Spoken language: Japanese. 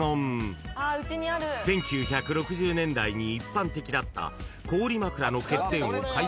［１９６０年代に一般的だった］